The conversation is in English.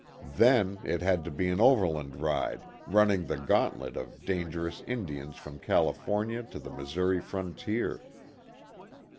Then it had to be an overland ride running the gauntlet of dangerous Indians from California to the Missouri frontier.